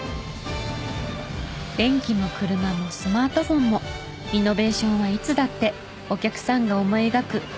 電気も車もスマートフォンもイノベーションはいつだってお客さんが思い描く